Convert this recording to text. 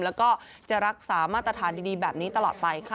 แล้วก็จะรักษามาตรฐานดีแบบนี้ตลอดไปค่ะ